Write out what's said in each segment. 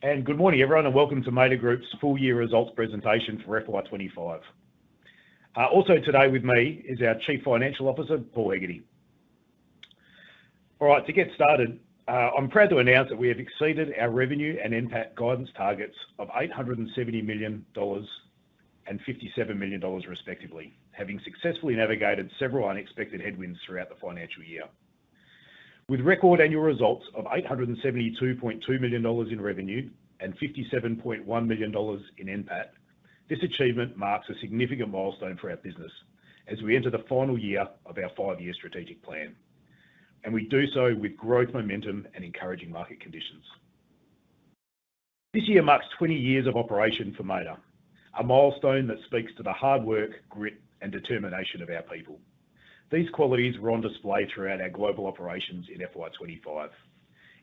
Good morning, everyone, and welcome to Mader Group's full-year results presentation for FY 2025. Also, today with me is our Chief Financial Officer, Paul Hegarty. To get started, I'm proud to announce that we have exceeded our revenue and impact guidance targets of $870 million and $57 million, respectively, having successfully navigated several unexpected headwinds throughout the financial year. With record annual results of $872.2 million in revenue and $57.1 million in impact, this achievement marks a significant milestone for our business as we enter the final year of our five-year strategic plan. We do so with growth momentum and encouraging market conditions. This year marks 20 years of operation for Mader, a milestone that speaks to the hard work, grit, and determination of our people. These qualities were on display throughout our global operations in FY 2025.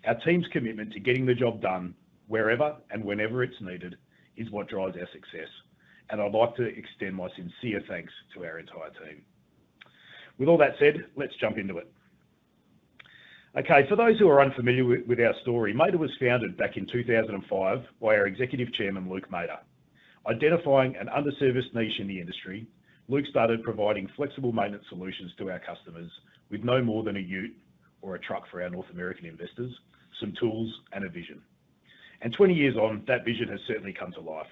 Our team's commitment to getting the job done wherever and whenever it's needed is what drives our success. I'd like to extend my sincere thanks to our entire team. With all that said, let's jump into it. For those who are unfamiliar with our story, Mader was founded back in 2005 by our Executive Chairman, Luke Mader. Identifying an underserviced niche in the industry, Luke started providing flexible maintenance solutions to our customers with no more than a ute or a truck for our North American investors, some tools, and a vision. Twenty years on, that vision has certainly come to life.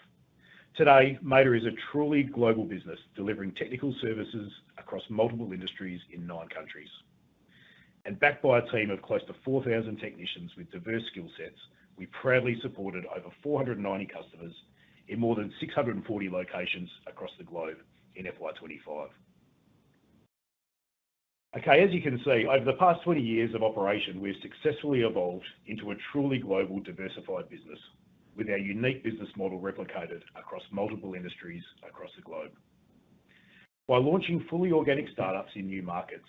Today, Mader is a truly global business, delivering technical services across multiple industries in nine countries. Backed by a team of close to 4,000 technicians with diverse skill sets, we proudly supported over 490 customers in more than 640 locations across the globe in FY 2025. As you can see, over the past 20 years of operation, we have successfully evolved into a truly global, diversified business, with our unique business model replicated across multiple industries across the globe. By launching fully organic startups in new markets,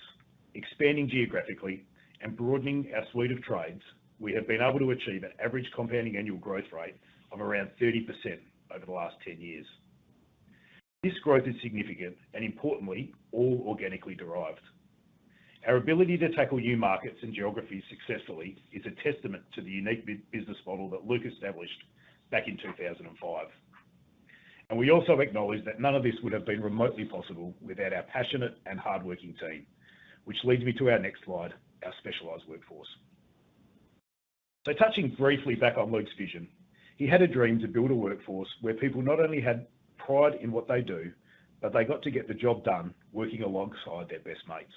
expanding geographically, and broadening our suite of trades, we have been able to achieve an average compound annual growth rate of around 30% over the last 10 years. This growth is significant and, importantly, all organically derived. Our ability to tackle new markets and geographies successfully is a testament to the unique business model that Luke established back in 2005. We also acknowledge that none of this would have been remotely possible without our passionate and hardworking team, which leads me to our next slide, our specialized workforce. Touching briefly back on Luke's vision, he had a dream to build a workforce where people not only had pride in what they do, but they got to get the job done working alongside their best mates.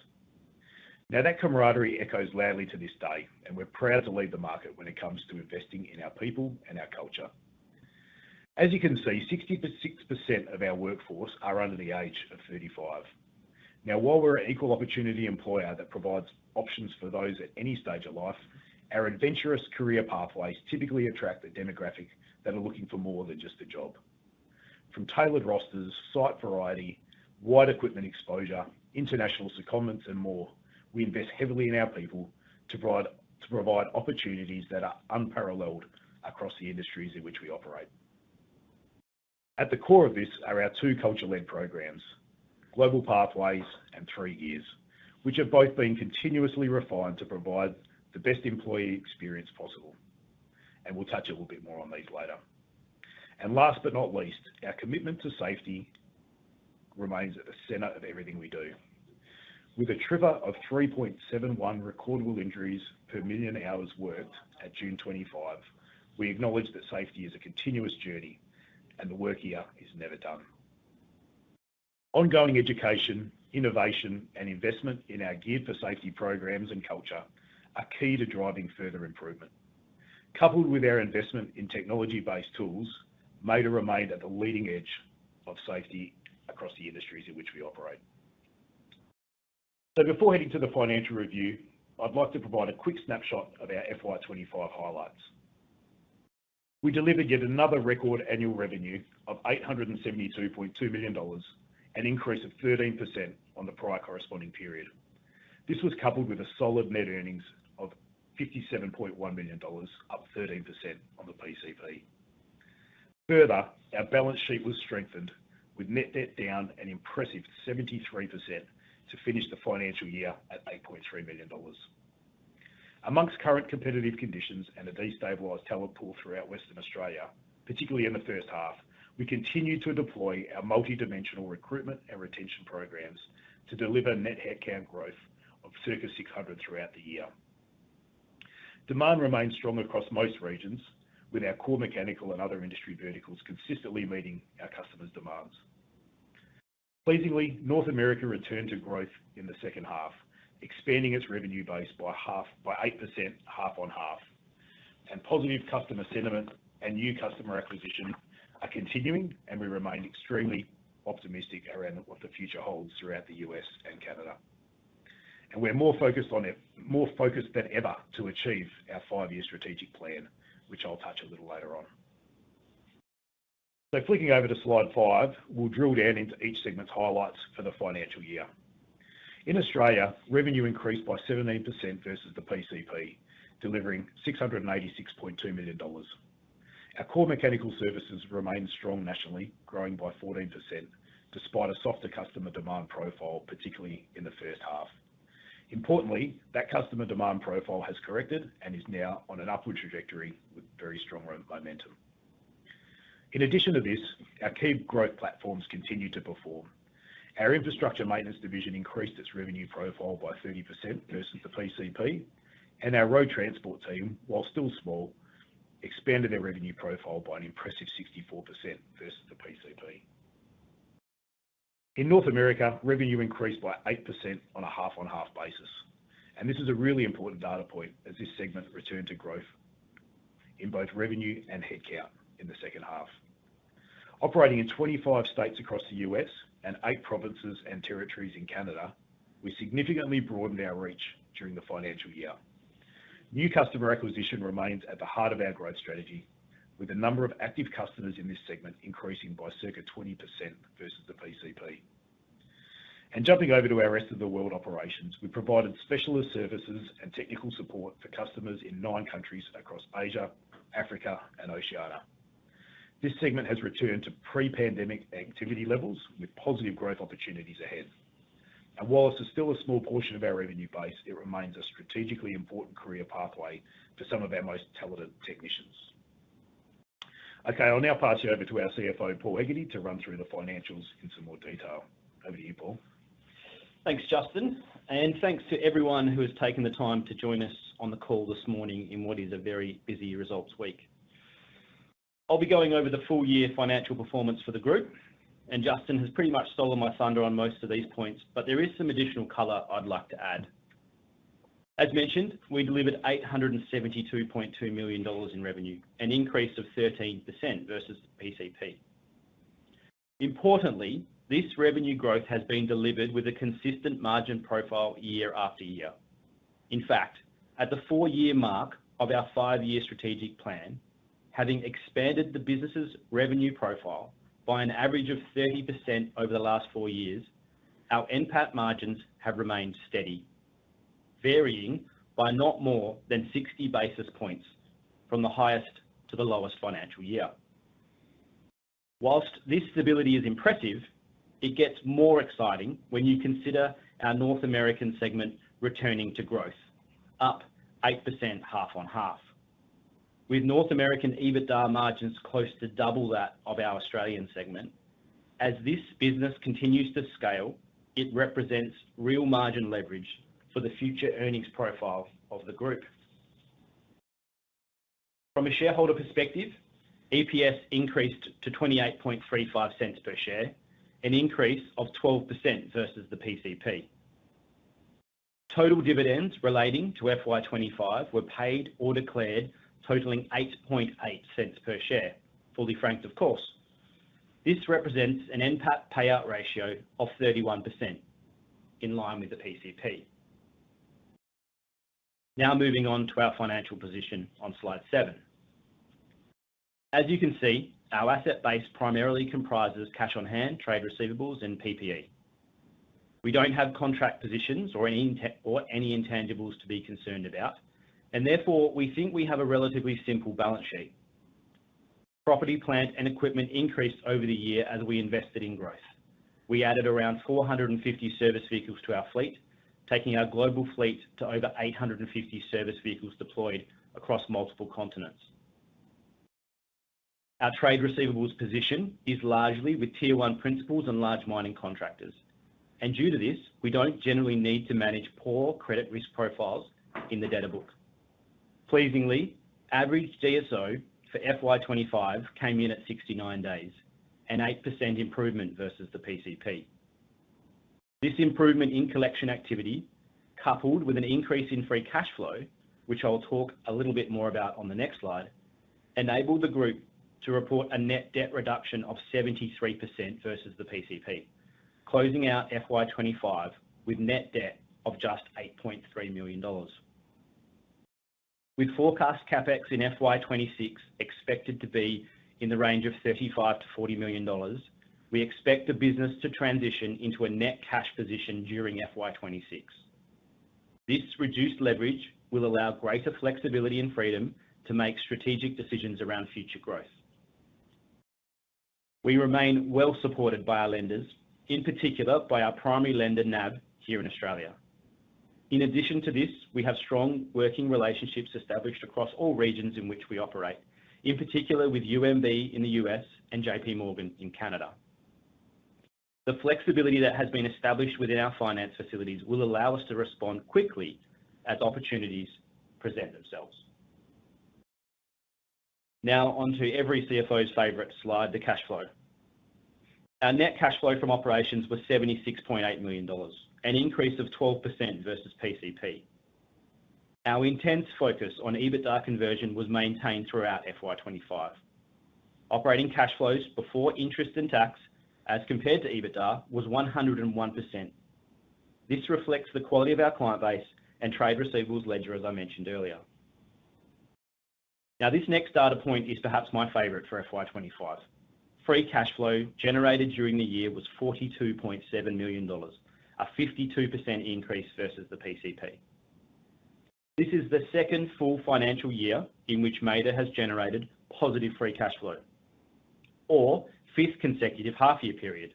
That camaraderie echoes loudly to this day, and we're proud to lead the market when it comes to investing in our people and our culture. As you can see, 66% of our workforce are under the age of 35. While we're an equal opportunity employer that provides options for those at any stage of life, our adventurous career pathways typically attract a demographic that is looking for more than just a job. From tailored rosters, site variety, wide equipment exposure, international secondments, and more, we invest heavily in our people to provide opportunities that are unparalleled across the industries in which we operate. At the core of this are our two culture-led programs: Global Pathways and Three Years, which have both been continuously refined to provide the best employee experience possible. We'll touch a little bit more on these later. Last but not least, our commitment to safety remains at the center of everything we do. With a trigger of 3.71 recordable injuries per million hours worked at June 2025, we acknowledge that safety is a continuous journey, and the work here is never done. Ongoing education, innovation, and investment in our geared-for-safety programs and culture are key to driving further improvement. Coupled with our investment in technology-based tools, Mader remains at the leading edge of safety across the industries in which we operate. Before heading to the financial review, I'd like to provide a quick snapshot of our FY 2025 highlights. We delivered yet another record annual revenue of $872.2 million, an increase of 13% on the prior corresponding period. This was coupled with a solid net earnings of $57.1 million, up 13% on the PCP. Further, our balance sheet was strengthened, with net debt down an impressive 73% to finish the financial year at $8.3 million. Amongst current competitive conditions and a decent diverse talent pool throughout Western Australia, particularly in the first half, we continue to deploy our multidimensional recruitment and retention programs to deliver net headcount growth of circa 600 throughout the year. Demand remains strong across most regions, with our core mechanical and other industry verticals consistently meeting our customers' demands. Pleasingly, North America returned to growth in the second half, expanding its revenue base by 8% half on half. Positive customer sentiment and new customer acquisitions are continuing, and we remain extremely optimistic around what the future holds throughout the U.S. and Canada. We're more focused than ever to achieve our five-year strategic plan, which I'll touch a little later on. Flicking over to slide five, we'll drill down into each segment's highlights for the financial year. In Australia, revenue increased by 17% versus the PCP, delivering $686.2 million. Our core mechanical services remain strong nationally, growing by 14% despite a softer customer demand profile, particularly in the first half. Importantly, that customer demand profile has corrected and is now on an upward trajectory with very strong momentum. In addition to this, our key growth platforms continue to perform. Our infrastructure maintenance division increased its revenue profile by 30% versus the PCP, and our road transport team, while still small, expanded their revenue profile by an impressive 64% versus the PCP. In North America, revenue increased by 8% on a half-on-half basis. This is a really important data point as this segment returned to growth in both revenue and headcount in the second half. Operating in 25 states across the U.S. and eight provinces and territories in Canada, we significantly broadened our reach during the financial year. New customer acquisition remains at the heart of our growth strategy, with the number of active customers in this segment increasing by circa 20% versus the PCP. Jumping over to our rest of the world operations, we provided specialist services and technical support for customers in nine countries across Asia, Africa, and Oceania. This segment has returned to pre-pandemic activity levels with positive growth opportunities ahead. While it's still a small portion of our revenue base, it remains a strategically important career pathway for some of our most talented technicians. I'll now pass you over to our CFO, Paul Hegarty, to run through the financials in some more detail. Over to you, Paul. Thanks, Justin. Thanks to everyone who has taken the time to join us on the call this morning in what is a very busy results week. I'll be going over the full-year financial performance for the group. Justin has pretty much stolen my thunder on most of these points, but there is some additional color I'd like to add. As mentioned, we delivered $872.2 million in revenue, an increase of 13% versus the PCP. Importantly, this revenue growth has been delivered with a consistent margin profile year after year. In fact, at the four-year mark of our five-year strategic plan, having expanded the business's revenue profile by an average of 30% over the last four years, our impact margins have remained steady, varying by not more than 60 basis points from the highest to the lowest financial year. Whilst this stability is impressive, it gets more exciting when you consider our North American segment returning to growth, up 8% half on half. With North American EBITDA margins close to double that of our Australian segment, as this business continues to scale, it represents real margin leverage for the future earnings profile of the group. From a shareholder perspective, EPS increased to $0.2835 per share, an increase of 12% versus the PCP. Total dividends relating to FY 2025 were paid or declared, totaling $0.088 per share, fully franked, of course. This represents an impact payout ratio of 31%, in line with the PCP. Now moving on to our financial position on slide seven. As you can see, our asset base primarily comprises cash on hand, trade receivables, and PPE. We don't have contract positions or any intangibles to be concerned about. Therefore, we think we have a relatively simple balance sheet. Property, plant, and equipment increased over the year as we invested in growth. We added around 450 service vehicles to our fleet, taking our global fleet to over 850 service vehicles deployed across multiple continents. Our trade receivables position is largely with tier-one principals and large mining contractors. Due to this, we don't generally need to manage poor credit risk profiles in the data book. Pleasingly, average DSO for FY 2025 came in at 69 days, an 8% improvement versus the PCP. This improvement in collection activity, coupled with an increase in free cash flow, which I'll talk a little bit more about on the next slide, enabled the group to report a net debt reduction of 73% versus the PCP, closing out FY 2025 with net debt of just $8.3 million. With forecast CAPEX in FY 2026 expected to be in the range of $35 million-$40 million, we expect the business to transition into a net cash position during FY 2026. This reduced leverage will allow greater flexibility and freedom to make strategic decisions around future growth. We remain well supported by our lenders, in particular by our primary lender, NAB, here in Australia. In addition to this, we have strong working relationships established across all regions in which we operate, in particular with UMB in the U.S. and JPMorgan in Canada. The flexibility that has been established within our finance facilities will allow us to respond quickly as opportunities present themselves. Now on to every CFO's favorite slide, the cash flow. Our net cash flow from operations was $76.8 million, an increase of 12% versus PCP. Our intense focus on EBITDA conversion was maintained throughout FY 2025. Operating cash flows before interest and tax, as compared to EBITDA, was 101%. This reflects the quality of our client base and trade receivables ledger, as I mentioned earlier. Now, this next data point is perhaps my favorite for FY 2025. Free cash flow generated during the year was $42.7 million, a 52% increase versus the PCP. This is the second full financial year in which Mader has generated positive free cash flow, or fifth consecutive half-year period.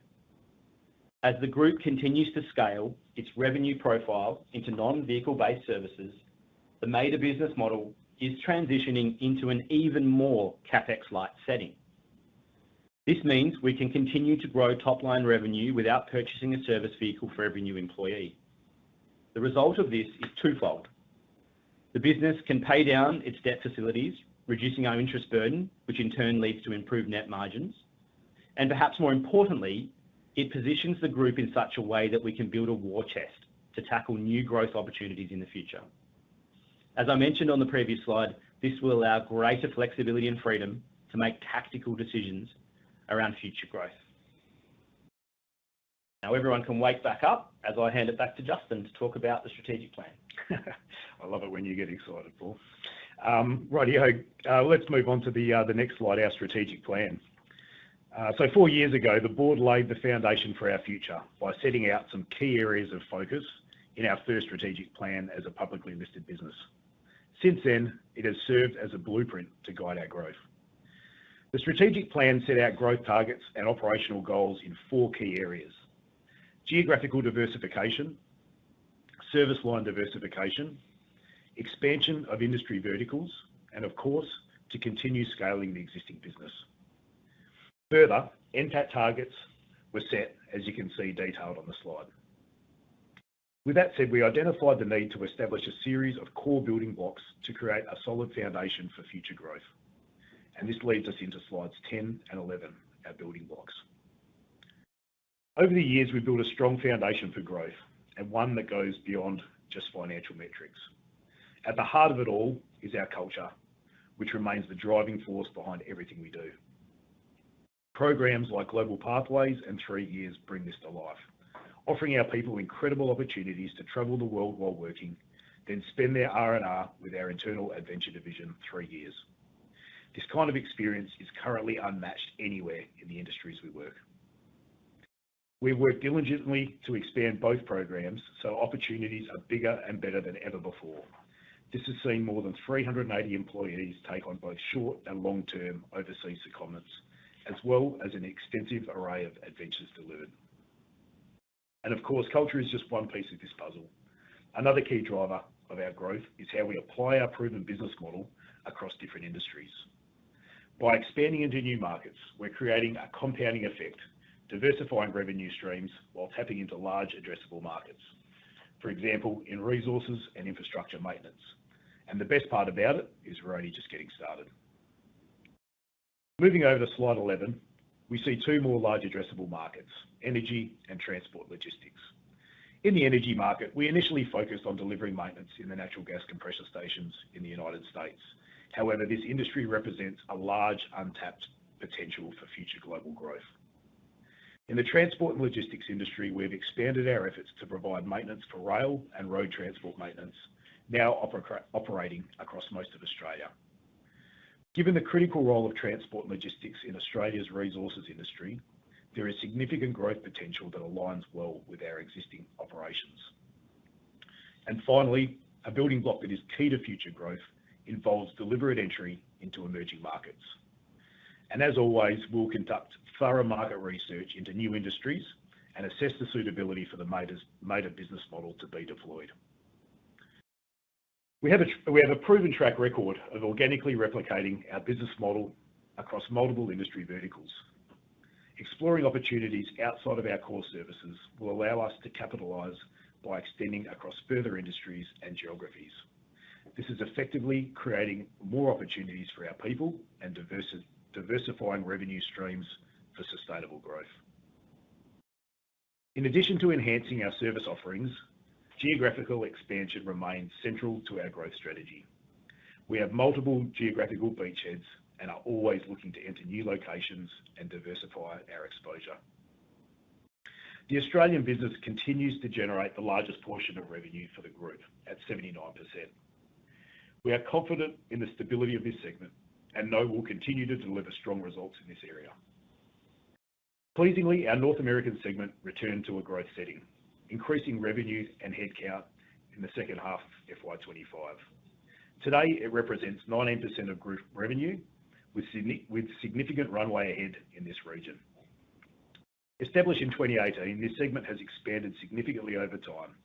As the group continues to scale its revenue profile into non-vehicle-based services, the Mader business model is transitioning into an even more CapEx-light setting. This means we can continue to grow top-line revenue without purchasing a service vehicle for every new employee. The result of this is twofold. The business can pay down its debt facilities, reducing our interest burden, which in turn leads to improved net margins. Perhaps more importantly, it positions the group in such a way that we can build a war chest to tackle new growth opportunities in the future. As I mentioned on the previous slide, this will allow greater flexibility and freedom to make tactical decisions around future growth. Now everyone can wake back up as I hand it back to Justin to talk about the strategic plan. I love it when you get excited, Paul. Right, you know, let's move on to the next slide, our strategic plan. Four years ago, the board laid the foundation for our future by setting out some key areas of focus in our first strategic plan as a publicly listed business. Since then, it has served as a blueprint to guide our growth. The strategic plan set out growth targets and operational goals in four key areas: geographical diversification, service line diversification, expansion of industry verticals, and of course, to continue scaling the existing business. Further, impact targets were set, as you can see detailed on the slide. With that said, we identified the need to establish a series of core building blocks to create a solid foundation for future growth. This leads us into slides 10 and 11, our building blocks. Over the years, we built a strong foundation for growth and one that goes beyond just financial metrics. At the heart of it all is our culture, which remains the driving force behind everything we do. Programs like Global Pathways and Three Years bring this to life, offering our people incredible opportunities to travel the world while working, then spend their R&R with our internal adventure division, Three Years. This kind of experience is currently unmatched anywhere in the industries we work. We've worked diligently to expand both programs, so opportunities are bigger and better than ever before. This has seen more than 380 employees take on both short and long-term overseas secondments, as well as an extensive array of adventures to learn. Culture is just one piece of this puzzle. Another key driver of our growth is how we apply our proven business model across different industries. By expanding into new markets, we're creating a compounding effect, diversifying revenue streams while tapping into large addressable markets, for example, in resources and infrastructure maintenance. The best part about it is we're only just getting started. Moving over to slide 11, we see two more large addressable markets: energy and transport logistics. In the energy market, we initially focused on delivering maintenance in the natural gas compressor stations in the United States. However, this industry represents a large untapped potential for future global growth. In the transport and logistics industry, we've expanded our efforts to provide maintenance for rail and road transport maintenance, now operating across most of Australia. Given the critical role of transport and logistics in Australia's resources industry, there is significant growth potential that aligns well with our existing operations. Finally, a building block that is key to future growth involves deliberate entry into emerging markets. As always, we'll conduct thorough market research into new industries and assess the suitability for the Mader business model to be deployed. We have a proven track record of organically replicating our business model across multiple industry verticals. Exploring opportunities outside of our core services will allow us to capitalize by extending across further industries and geographies. This is effectively creating more opportunities for our people and diversifying revenue streams for sustainable growth. In addition to enhancing our service offerings, geographical expansion remains central to our growth strategy. We have multiple geographical beachheads and are always looking to enter new locations and diversify our exposure. The Australian business continues to generate the largest portion of revenue for the group at 79%. We are confident in the stability of this segment and know we'll continue to deliver strong results in this area. Pleasingly, our North American segment returned to a growth setting, increasing revenue and headcount in the second half of FY 2025. Today, it represents 19% of group revenue, with significant runway ahead in this region. Established in 2018, this segment has expanded significantly over time.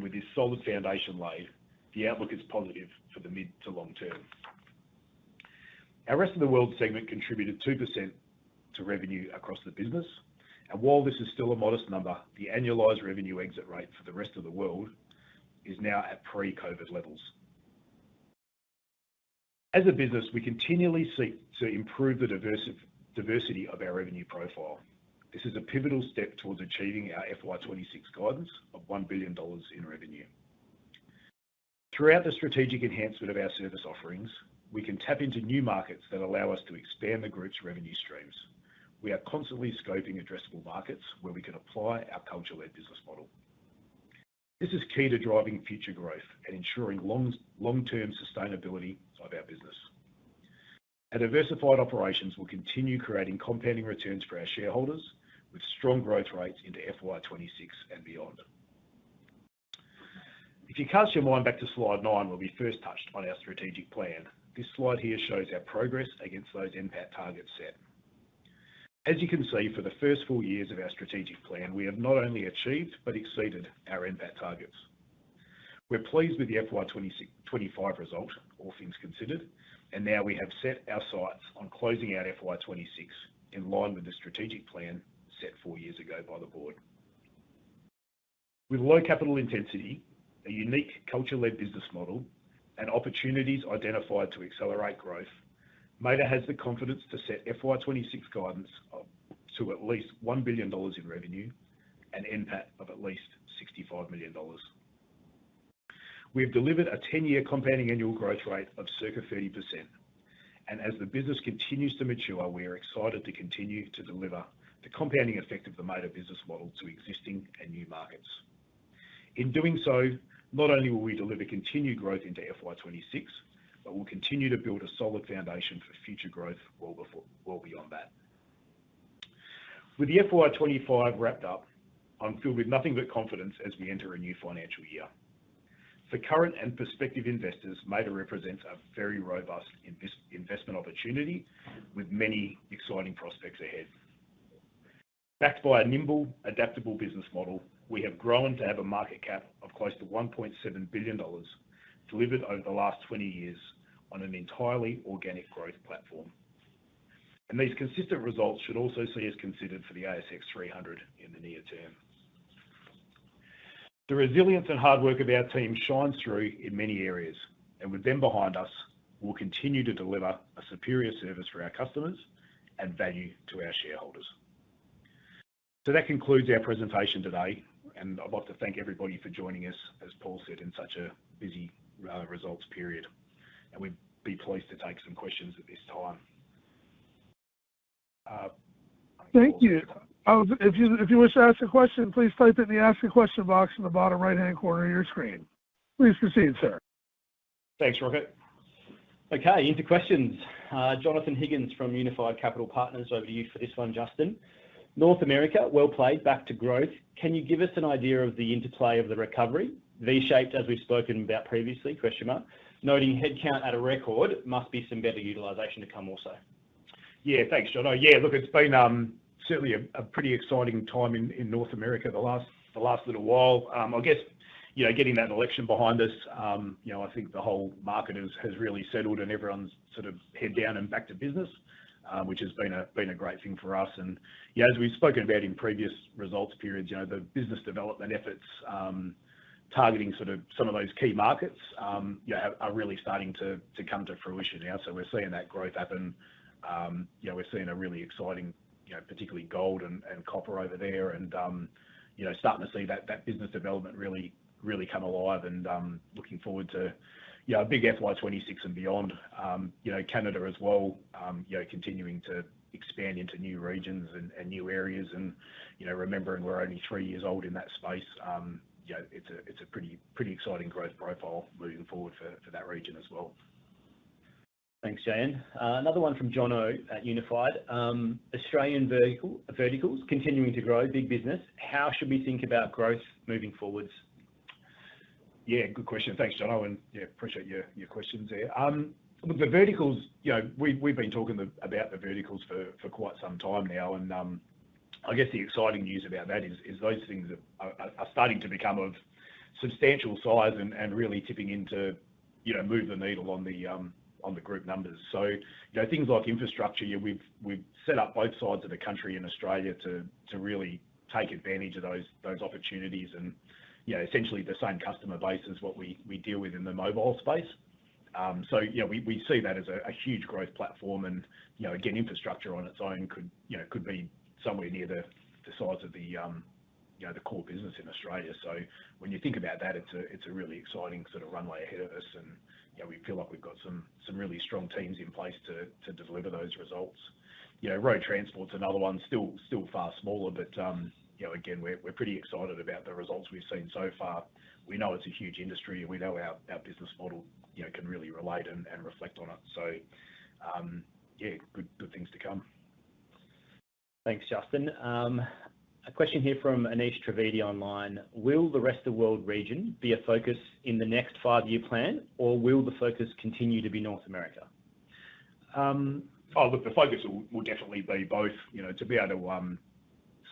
With this solid foundation laid, the outlook is positive for the mid to long term. Our rest of the world segment contributed 2% to revenue across the business. While this is still a modest number, the annualized revenue exit rate for the rest of the world is now at pre-COVID levels. As a business, we continually seek to improve the diversity of our revenue profile. This is a pivotal step towards achieving our FY 2026 guidance of $1 billion in revenue. Throughout the strategic enhancement of our service offerings, we can tap into new markets that allow us to expand the group's revenue streams. We are constantly scoping addressable markets where we can apply our culture-led business model. This is key to driving future growth and ensuring long-term sustainability of our business. Our diversified operations will continue creating compounding returns for our shareholders with strong growth rates into FY 2026 and beyond. If you cast your mind back to slide nine, where we first touched on our strategic plan, this slide here shows our progress against those impact targets set. As you can see, for the first four years of our strategic plan, we have not only achieved but exceeded our impact targets. We're pleased with the FY 2025 result, all things considered. Now we have set our sights on closing out FY 2026 in line with the strategic plan set four years ago by the board. With low capital intensity, a unique culture-led business model, and opportunities identified to accelerate growth, Mader has the confidence to set FY 2026 guidance to at least $1 billion in revenue, an impact of at least $65 million. We have delivered a 10-year compound annual growth rate of circa 30%. As the business continues to mature, we are excited to continue to deliver the compounding effect of the Mader business model to existing and new markets. In doing so, not only will we deliver continued growth into FY 2026, but we'll continue to build a solid foundation for future growth well beyond that. With the FY 2025 wrapped up, I'm filled with nothing but confidence as we enter a new financial year. For current and prospective investors, Mader represents a very robust investment opportunity with many exciting prospects ahead. Backed by a nimble, adaptable business model, we have grown to have a market cap of close to $1.7 billion delivered over the last 20 years on an entirely organic growth platform. These consistent results should also see us considered for the ASX 300 in the near term. The resilience and hard work of our team shines through in many areas. With them behind us, we'll continue to deliver a superior service for our customers and value to our shareholders. That concludes our presentation today. I'd like to thank everybody for joining us, as Paul said, in such a busy results period. We'd be pleased to take some questions at this time. Thank you. If you wish to ask a question, please type it in the Ask a Question box in the bottom right-hand corner of your screen. Please proceed, sir. Thanks, Rocket. OK, into questions. Jonathon Higgins from Unified Capital Partners, over to you for this one, Justin. North America, well played, back to growth. Can you give us an idea of the interplay of the recovery, V-shaped as we've spoken about previously? Noting headcount at a record, must be some better utilization to come also. Yeah, thanks, Jono. Yeah, look, it's been certainly a pretty exciting time in North America the last little while. I guess, you know, getting that election behind us, I think the whole market has really settled and everyone's sort of head down and back to business, which has been a great thing for us. As we've spoken about in previous results periods, the business development efforts targeting some of those key markets are really starting to come to fruition now. We're seeing that growth happen. We're seeing a really exciting, particularly gold and copper over there. You know, starting to see that business development really, really come alive. Looking forward to a big FY 2026 and beyond. Canada as well, continuing to expand into new regions and new areas. Remembering we're only three years old in that space, it's a pretty exciting growth profile moving forward for that region as well. Thanks, Jan. Another one from Jono at Unified. Australian verticals continuing to grow, big business. How should we think about growth moving forwards? Yeah, good question. Thanks, Jono. Yeah, appreciate your questions there. Look, the verticals, you know, we've been talking about the verticals for quite some time now. I guess the exciting news about that is those things are starting to become of substantial size and really tipping in to move the needle on the group numbers. You know, things like infrastructure, we've set up both sides of the country in Australia to really take advantage of those opportunities. Essentially, the same customer base is what we deal with in the mobile space. Yeah, we see that as a huge growth platform. Infrastructure on its own could be somewhere near the size of the core business in Australia. When you think about that, it's a really exciting sort of runway ahead of us. We feel like we've got some really strong teams in place to deliver those results. Road transport's another one, still far smaller. You know, again, we're pretty excited about the results we've seen so far. We know it's a huge industry. We know our business model can really relate and reflect on it. Yeah, good things to come. Thanks, Justin. A question here from Anish Trivedi online. Will the rest of the world region be a focus in the next five-year plan, or will the focus continue to be North America? Oh, look, the focus will definitely be both, you know, to be able to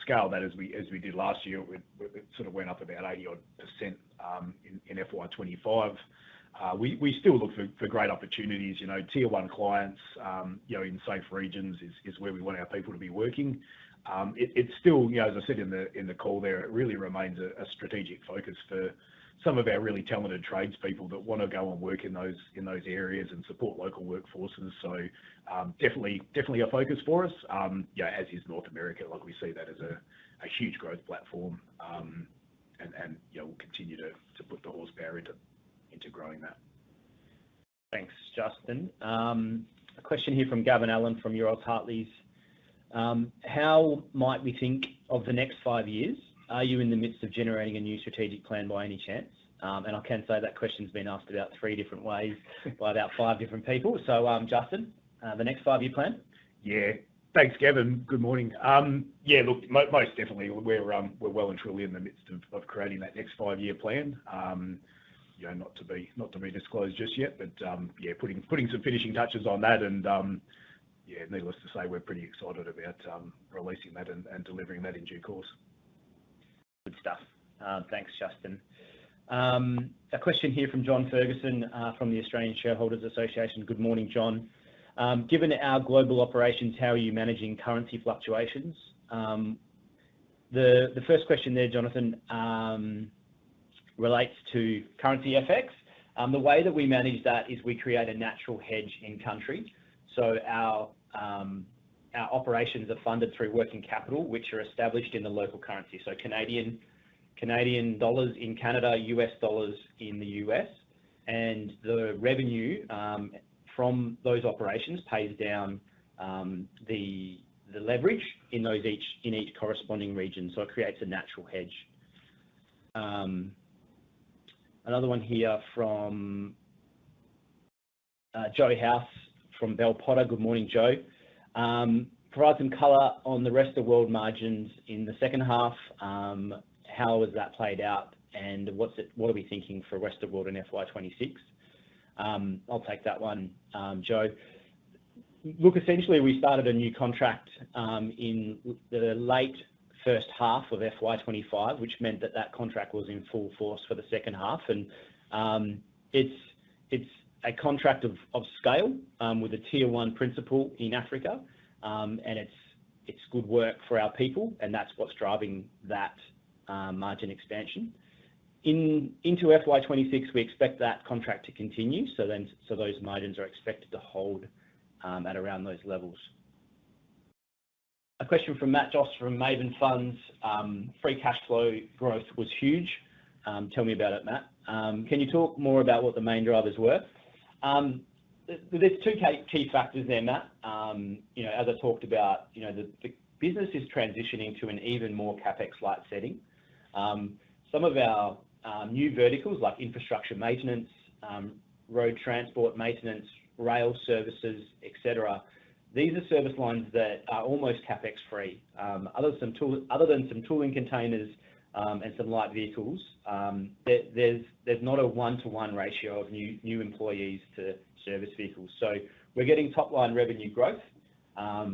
scale that as we did last year. It sort of went up about 80% in FY 2025. We still look for great opportunities. You know, tier-one clients in safe regions is where we want our people to be working. It's still, you know, as I said in the call there, it really remains a strategic focus for some of our really talented tradespeople that want to go and work in those areas and support local workforces. Definitely a focus for us, you know, as is North America. We see that as a huge growth platform, and you know, we'll continue to put the horsepower into growing that. Thanks, Justin. A question here from Gavin Allen from Euroz Hartleys. How might we think of the next five years? Are you in the midst of generating a new strategic plan by any chance? I can say that question's been asked about three different ways by about five different people. Justin, the next five-year plan? Yeah, thanks, Gavin. Good morning. Most definitely, we're well and truly in the midst of creating that next five-year plan. Not to be disclosed just yet, but yeah, putting some finishing touches on that. Needless to say, we're pretty excited about releasing that and delivering that in due course. Good stuff. Thanks, Justin. A question here from John Ferguson from the Australian Shareholders Association. Good morning, John. Given our global operations, how are you managing currency fluctuations? The first question there, Jonathan, relates to currency FX. The way that we manage that is we create a natural hedge in country. Our operations are funded through working capital, which are established in the local currency, so Canadian dollars in Canada, U.S. dollars in the U.S. The revenue from those operations pays down the leverage in each corresponding region. It creates a natural hedge. Another one here from Joey House from Bell Potter. Good morning, Joe. Provide some color on the rest of the world margins in the second half. How has that played out? What are we thinking for the rest of the world in FY 2026? I'll take that one, Joe. Essentially, we started a new contract in the late first half of FY 2025, which meant that contract was in full force for the second half. It's a contract of scale with a tier-one principal in Africa. It's good work for our people, and that's what's driving that margin expansion. Into FY 2026, we expect that contract to continue, so those margins are expected to hold at around those levels. A question from Matt Joass from Maven Funds. Free cash flow growth was huge. Tell me about it, Matt. Can you talk more about what the main drivers were? There are two key factors there, Matt. As I talked about, the business is transitioning to an even more CapEx-light setting. Some of our new verticals, like infrastructure maintenance, road transport maintenance, rail services, etc., these are service lines that are almost CapEx free. Other than some tooling containers and some light vehicles, there's not a one-to-one ratio of new employees to service vehicles. We're getting top-line revenue growth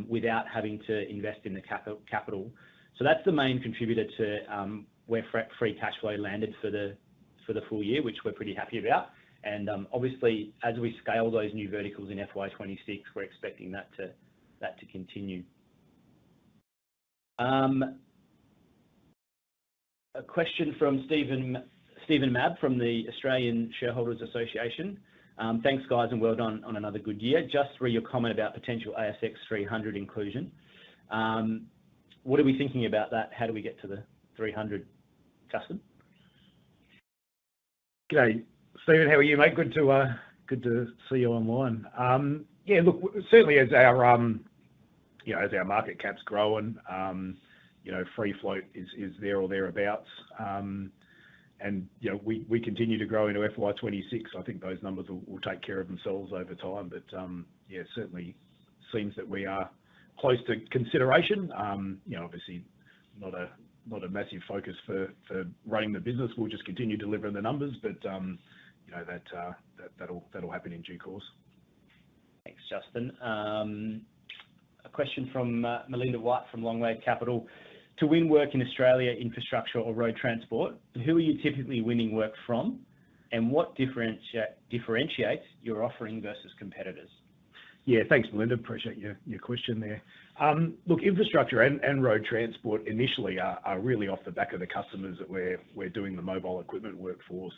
without having to invest in the capital. That's the main contributor to where free cash flow landed for the full year, which we're pretty happy about. Obviously, as we scale those new verticals in FY 2026, we're expecting that to continue. A question from Steven Mabb from the Australian Shareholders Association. Thanks, guys, and well done on another good year. Just read your comment about potential ASX 300 inclusion. What are we thinking about that? How do we get to the 300, Justin? Steven, how are you, mate? Good to see you online. Certainly, as our market cap's growing, free float is there or thereabouts. We continue to grow into FY 2026. I think those numbers will take care of themselves over time. Certainly seems that we are close to consideration. Obviously, not a massive focus for running the business. We'll just continue delivering the numbers. That'll happen in due course. Thanks, Justin. A question from Melinda White from Longwave Capital. To win work in Australia, infrastructure or road transport, who are you typically winning work from? What differentiates your offering versus competitors? Yeah, thanks, Melinda. Appreciate your question there. Look, infrastructure and road transport initially are really off the back of the customers that we're doing the mobile equipment work for.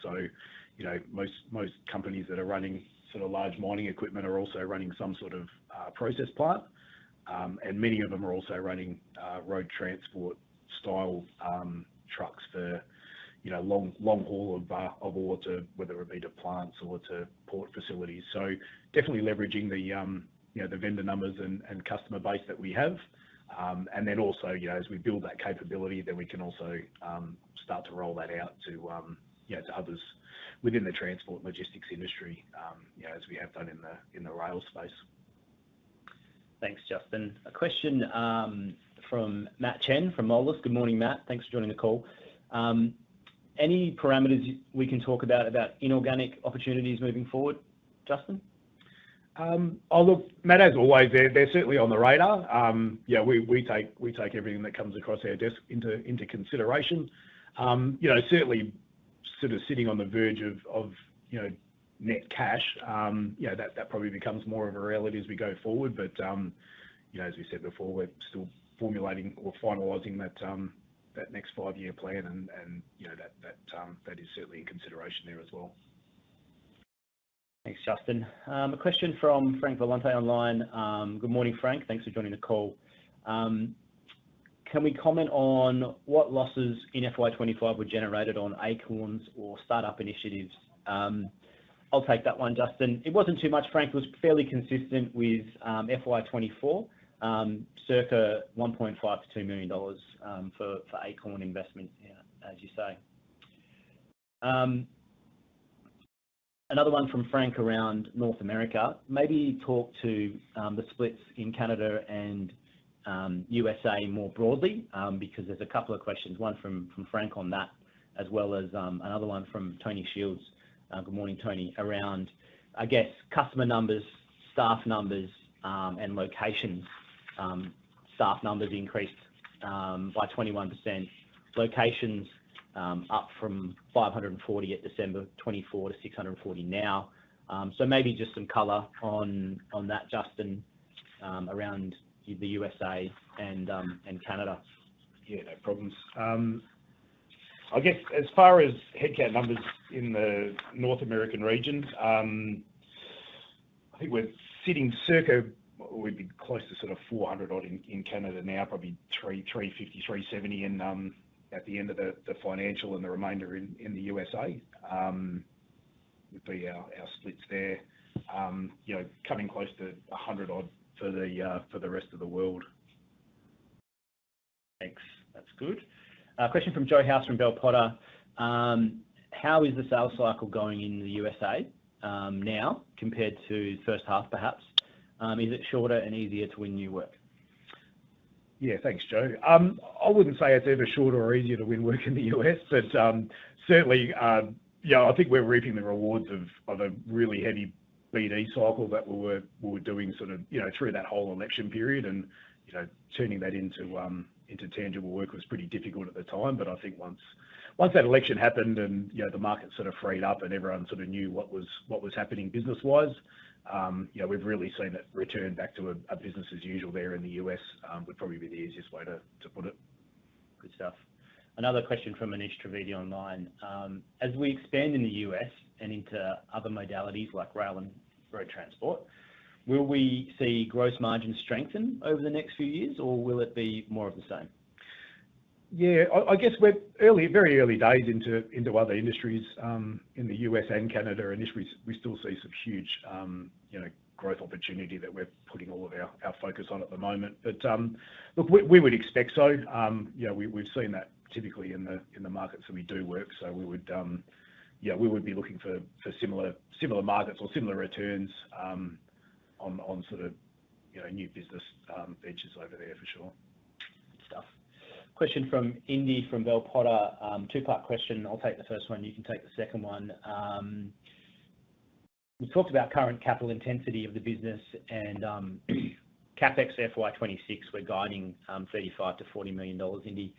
Most companies that are running sort of large mining equipment are also running some sort of process plant, and many of them are also running road transport-style trucks for long haul of ore, whether it be to plants or to port facilities. Definitely leveraging the vendor numbers and customer base that we have. Also, as we build that capability, we can also start to roll that out to others within the transport and logistics industry, as we have done in the rail space. Thanks, Justin. A question from Matt Chen from [Marlis]. Good morning, Matt. Thanks for joining the call. Any parameters we can talk about about inorganic opportunities moving forward, Justin? Oh, look, Matt, as always, they're certainly on the radar. We take everything that comes across our desk into consideration. Certainly sort of sitting on the verge of net cash, that probably becomes more of a reality as we go forward. As we said before, we're still formulating or finalizing that next five-year plan. That is certainly a consideration there as well. Thanks, Justin. A question from Frank Volante online. Good morning, Frank. Thanks for joining the call. Can we comment on what losses in FY 2025 were generated on acorns or startup initiatives? I'll take that one, Justin. It wasn't too much. Frank was fairly consistent with FY 2024, circa $1.5 million-$2 million for acorn investments here, as you say. Another one from Frank around North America. Maybe talk to the splits in Canada and USA more broadly because there's a couple of questions, one from Frank on that, as well as another one from Tony Shields. Good morning, Tony. Around, I guess, customer numbers, staff numbers, and location. Staff numbers increased by 21%. Locations up from 540 at December 2024 to 640 now. Maybe just some color on that, Justin, around the USA and Canada. Yeah, no problem. I guess as far as headcount numbers in the North American region, I think we're sitting circa we'd be close to sort of 400 odd in Canada now, probably 350, 370 at the end of the financial and the remainder in the USA. We'll be our splits there, you know, coming close to 100 odd for the rest of the world. Thanks. That's good. A question from Joey House from Bell Potter. How is the sales cycle going in the U.S.A. now compared to the first half, perhaps? Is it shorter and easier to win new work? Yeah, thanks, Joe. I wouldn't say it's ever shorter or easier to win work in the U.S., but certainly, I think we're reaping the rewards of a really heavy BD cycle that we were doing through that whole election period. Turning that into tangible work was pretty difficult at the time. I think once that election happened and the market sort of freed up and everyone sort of knew what was happening business-wise, we've really seen it return back to a business as usual there in the U.S. would probably be the easiest way to put it. Good stuff. Another question from Anish Trivedi online. As we expand in the U.S. and into other modalities like rail and road transport, will we see gross margin strengthen over the next few years, or will it be more of the same? Yeah, I guess we're very early days into other industries in the U.S. and Canada. We still see some huge growth opportunity that we're putting all of our focus on at the moment. Look, we would expect so. We've seen that typically in the markets that we do work. We would be looking for similar markets or similar returns on sort of, you know, new business ventures over there, for sure. Good stuff. Question from Indy from Bell Potter. Two-part question. I'll take the first one. You can take the second one. We talked about current capital intensity of the business. CapEx FY 2026, we're guiding $35 million-$40 million, Indy.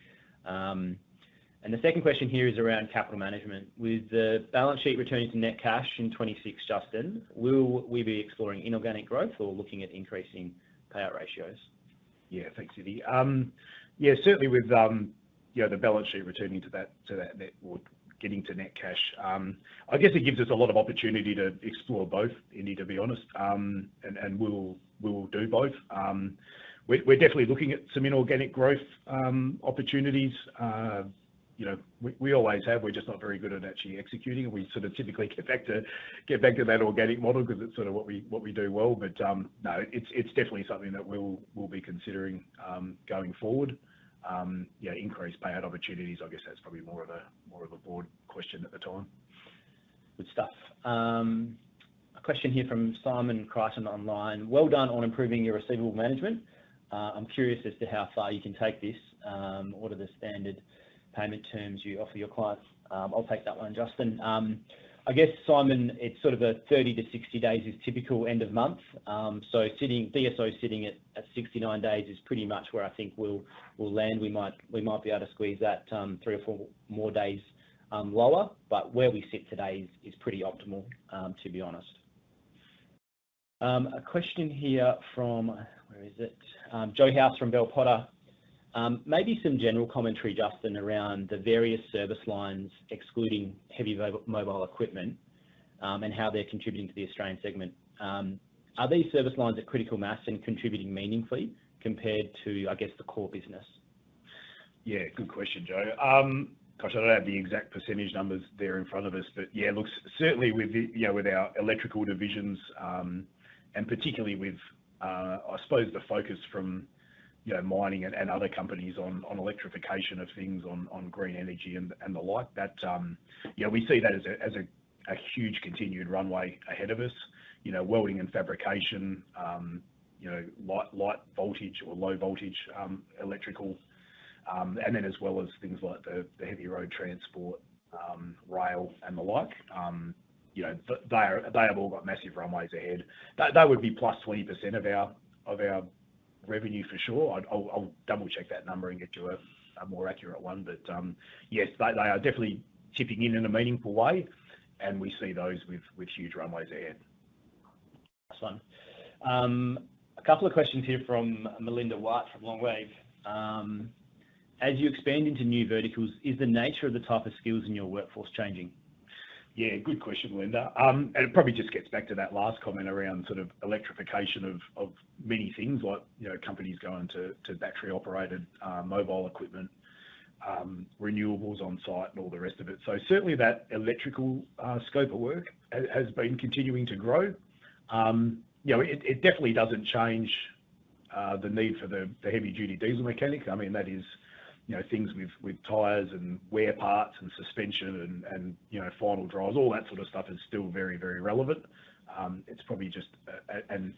The second question here is around capital management. With the balance sheet returning to net cash in 2026, Justin, will we be exploring inorganic growth or looking at increasing payout ratios? Yeah, thanks, Indy. Certainly with the balance sheet returning to that net or getting to net cash, I guess it gives us a lot of opportunity to explore both, Indy, to be honest. We will do both. We're definitely looking at some inorganic growth opportunities. You know, we always have. We're just not very good at actually executing. We sort of typically get back to that organic model because it's sort of what we do well. No, it's definitely something that we'll be considering going forward. Increased payout opportunities, I guess that's probably more of a broad question at the time. Good stuff. A question here from Simon Crichton online. Well done on improving your receivable management. I'm curious as to how far you can take this or to the standard payment terms you offer your clients. I'll take that one, Justin. I guess, Simon, it's sort of a 30-60 days is typical end of month. So DSO sitting at 69 days is pretty much where I think we'll land. We might be able to squeeze that three or four more days lower. Where we sit today is pretty optimal, to be honest. A question here from, where is it, Joey House from Bell Potter. Maybe some general commentary, Justin, around the various service lines, excluding heavy mobile equipment, and how they're contributing to the Australian segment. Are these service lines at critical mass and contributing meaningfully compared to, I guess, the core business? Yeah, good question, Joe. I don't have the exact percentage numbers there in front of us. Certainly with our electrical divisions, and particularly with, I suppose, the focus from mining and other companies on electrification of things, on green energy and the like, we see that as a huge continued runway ahead of us. Welding and fabrication, light voltage or low voltage electrical, and then as well as things like the heavy road transport, rail, and the like, they have all got massive runways ahead. That would be +20% of our revenue, for sure. I'll double-check that number and get you a more accurate one. Yes, they are definitely tipping in in a meaningful way. We see those with huge runways ahead. That's fun. A couple of questions here from Melinda White from Longwave. As you expand into new verticals, is the nature of the type of skills in your workforce changing? Yeah, good question, Melinda. It probably just gets back to that last comment around sort of electrification of many things, like companies going to battery-operated mobile equipment, renewables on site, and all the rest of it. Certainly, that electrical scope of work has been continuing to grow. It definitely doesn't change the need for the heavy-duty diesel mechanics. I mean, that is, you know, things with tires and wear parts and suspension and, you know, final drives, all that sort of stuff is still very, very relevant. It's probably just an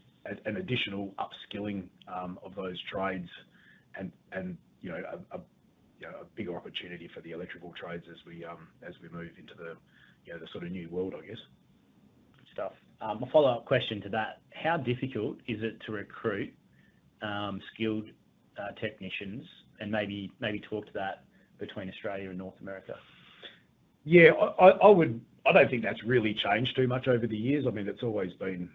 additional upskilling of those trades and a bigger opportunity for the electrical trades as we move into the sort of new world, I guess. Good stuff. A follow-up question to that. How difficult is it to recruit skilled technicians? Maybe talk to that between Australia and North America. Yeah, I don't think that's really changed too much over the years. I mean, it's always been,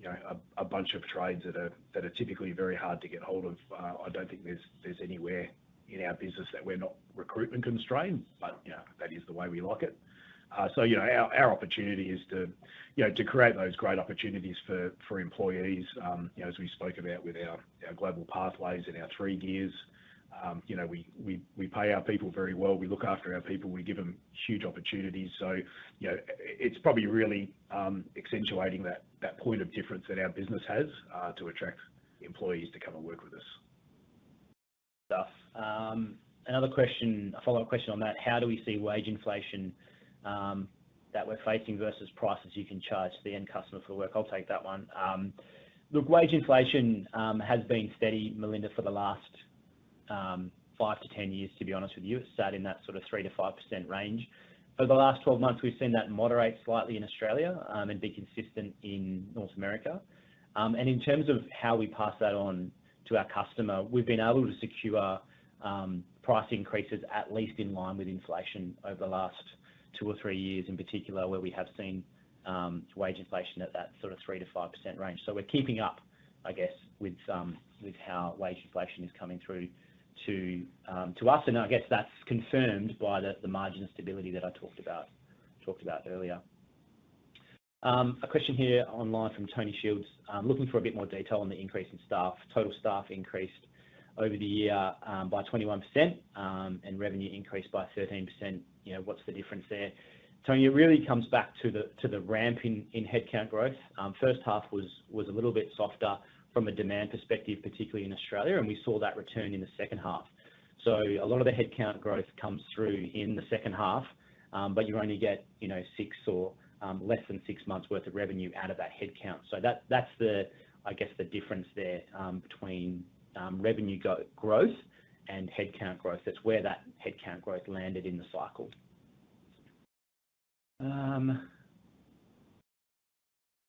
you know, a bunch of trades that are typically very hard to get hold of. I don't think there's anywhere in our business that we're not recruitment constrained. That is the way we like it. Our opportunity is to create those great opportunities for employees. As we spoke about with our Global Pathways and our Three Years, we pay our people very well. We look after our people. We give them huge opportunities. It's probably really accentuating that point of difference that our business has to attract employees to come and work with us. Another question, a follow-up question on that. How do we see wage inflation that we're facing versus prices you can charge to the end customer for work? I'll take that one. Look, wage inflation has been steady, Melinda, for the last five to ten years, to be honest with you. It's sat in that sort of 3%-5% range. Over the last 12 months, we've seen that moderate slightly in Australia and be consistent in North America. In terms of how we pass that on to our customer, we've been able to secure price increases at least in line with inflation over the last two or three years, in particular, where we have seen wage inflation at that sort of 3%-5% range. We're keeping up, I guess, with how wage inflation is coming through to us. I guess that's confirmed by the margin of stability that I talked about earlier. A question here online from Tony Shields. I'm looking for a bit more detail on the increase in staff. Total staff increased over the year by 21% and revenue increased by 13%. What's the difference there? Tony, it really comes back to the ramp in headcount growth. First half was a little bit softer from a demand perspective, particularly in Australia. We saw that return in the second half. A lot of the headcount growth comes through in the second half, but you only get, you know, six or less than six months' worth of revenue out of that headcount. That's the difference there between revenue growth and headcount growth. That's where that headcount growth landed in the cycle.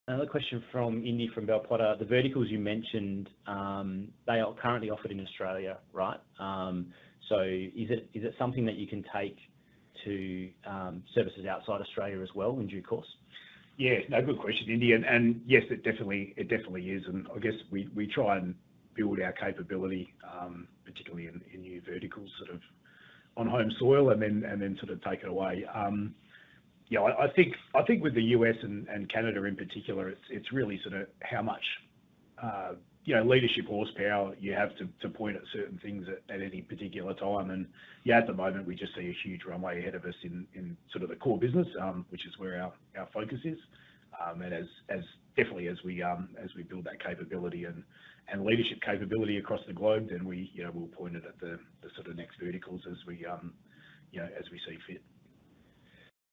Another question from Indy from Bell Potter. The verticals you mentioned, they are currently offered in Australia, right? Is it something that you can take to services outside Australia as well in due course? Yeah, no, good question, Indy. Yes, it definitely is. I guess we try and build our capability, particularly in new verticals, on home soil and then take it away. I think with the U.S. and Canada in particular, it's really how much leadership horsepower you have to point at certain things at any particular time. At the moment, we just see a huge runway ahead of us in the core business, which is where our focus is. As we build that capability and leadership capability across the globe, then we'll point it at the next verticals as we see fit.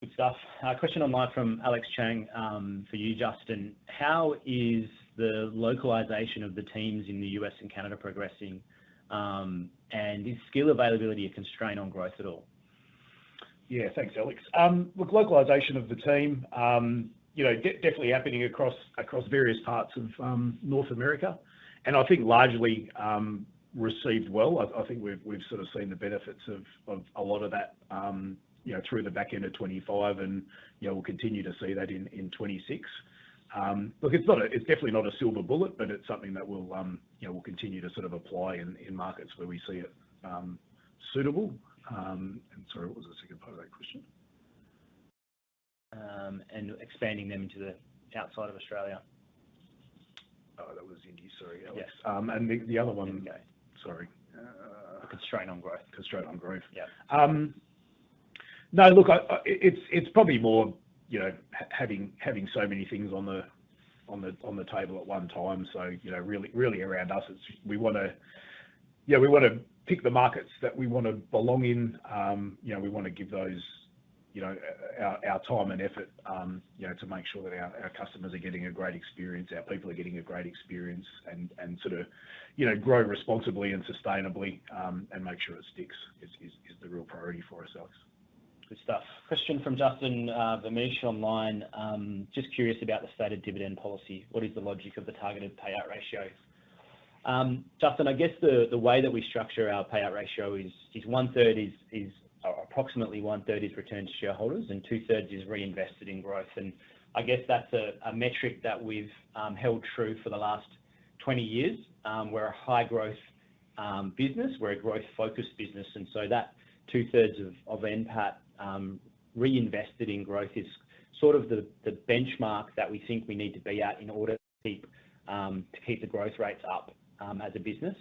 Good stuff. A question online from Alex Chang for you, Justin. How is the localization of the teams in the U.S. and Canada progressing? Is skill availability a constraint on growth at all? Yeah, thanks, Alex. With localization of the team definitely happening across various parts of North America, I think largely received well. I think we've sort of seen the benefits of a lot of that through the back end of 2025, and we'll continue to see that in 2026. It's definitely not a silver bullet, but it's something that we'll continue to sort of apply in markets where we see it suitable. Sorry, what was the second part of that question? Expanding them into the outside of Australia. Oh, that was Indy, sorry. The other one, sorry. A constraint on growth. Constraint on growth. Yeah. No, look, it's probably more having so many things on the table at one time. Really around us, we want to pick the markets that we want to belong in. We want to give those our time and effort to make sure that our customers are getting a great experience, our people are getting a great experience, and sort of grow responsibly and sustainably and make sure it sticks is the real priority for us, Alex. Good stuff. Question from Justin [Nuich] online. Just curious about the stated dividend policy. What is the logic of the targeted payout ratios? Justin, I guess the way that we structure our payout ratio is one-third is approximately one-third is returned to shareholders and two-thirds is reinvested in growth. I guess that's a metric that we've held true for the last 20 years. We're a high-growth business. We're a growth-focused business. That two-thirds of NPAT reinvested in growth is sort of the benchmark that we think we need to be at in order to keep the growth rates up as a business.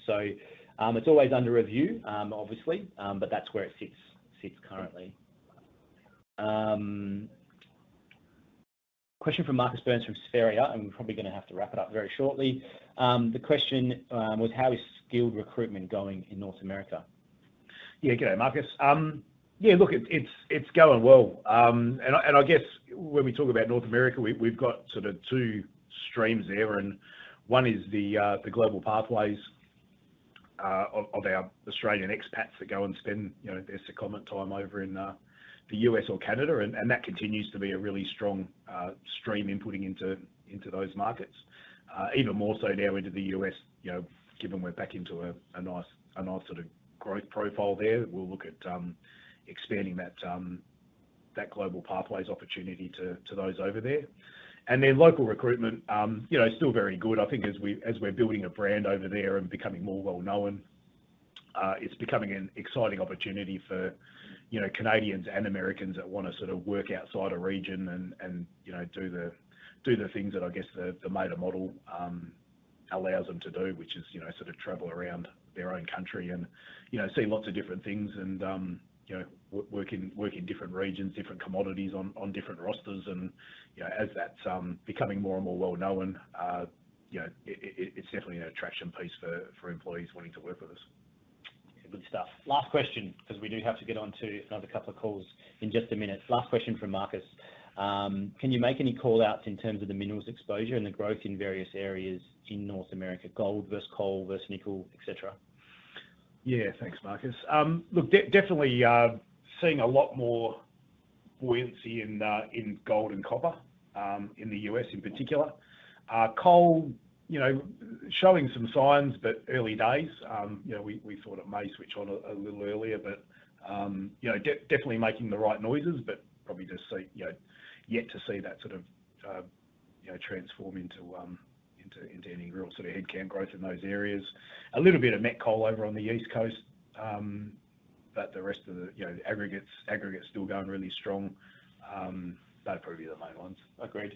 It's always under review, obviously, but that's where it sits currently. Question from Marcus Burns from Spheria. We're probably going to have to wrap it up very shortly. The question was, how is skilled recruitment going in North America? Yeah, go, Marcus. Yeah, look, it's going well. I guess when we talk about North America, we've got sort of two streams there. One is the Global Pathways of our Australian expats that go and spend their secondment time over in the U.S. or Canada. That continues to be a really strong stream inputting into those markets. Even more so now into the U.S., given we're back into a nice sort of growth profile there, we'll look at expanding that Global Pathways opportunity to those over there. Local recruitment is still very good. I think as we're building a brand over there and becoming more well-known, it's becoming an exciting opportunity for Canadians and Americans that want to sort of work outside a region and do the things that I guess the Mader model allows them to do, which is sort of travel around their own country and see lots of different things and work in different regions, different commodities, on different rosters. As that's becoming more and more well-known, it's definitely an attraction piece for employees wanting to work with us. Good stuff. Last question, because we do have to get on to another couple of calls in just a minute. Last question from Marcus. Can you make any call-outs in terms of the mineral exposure and the growth in various areas in North America? Gold versus coal versus nickel, etc.? Yeah, thanks, Marcus. Look, definitely seeing a lot more buoyancy in gold and copper in the U.S. in particular. Coal, you know, showing some signs, but early days. We thought it may switch on a little earlier. You know, definitely making the right noises, but probably just yet to see that sort of transform into any real sort of headcount growth in those areas. A little bit of met coal over on the East Coast, but the rest of the aggregates are still going really strong. Those are probably the main ones. Agreed.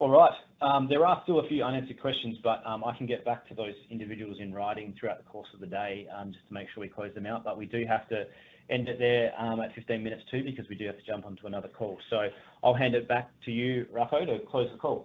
All right. There are still a few unanswered questions. I can get back to those individuals in writing throughout the course of the day just to make sure we close them out. We do have to end it there at 15 minutes to because we do have to jump onto another call. I'll hand it back to you, Rocco, to close the call.